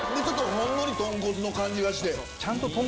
ほんのり豚骨の感じがして。